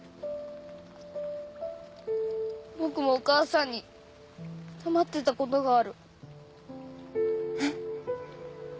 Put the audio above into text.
僕もお母さんに黙ってたことがある。えっ？